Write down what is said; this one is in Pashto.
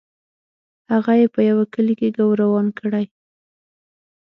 هغه یې په یوه کلي کې ګوروان کړی.